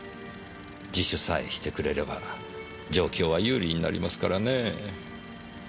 自首さえしてくれれば状況は有利になりますからねぇ。